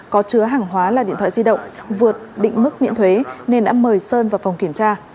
có chứa hàng hóa là điện thoại di động vượt định mức miễn thuế nên đã mời sơn vào phòng kiểm tra